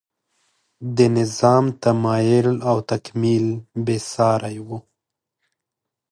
د نظام تمایل او تکمیل بې سارۍ و.